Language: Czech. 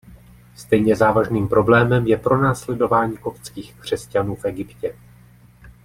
Stejně závažným problémem je pronásledování koptských křesťanů v Egyptě.